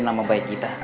nama baik kita